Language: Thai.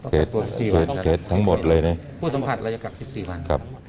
เกษทั้งหมดเลยเนี่ย